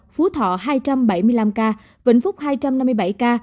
phú thọ hai trăm bảy mươi năm ca vĩnh phúc hai trăm năm mươi bảy ca